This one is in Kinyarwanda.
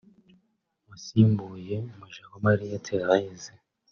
wasimbuye Mujawamariya Therése